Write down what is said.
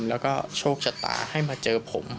แล้วก็โชคชะตาให้มาเจอผม